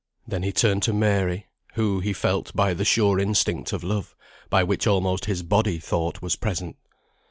Then he turned to Mary, who, he felt by the sure instinct of love, by which almost his body thought, was present.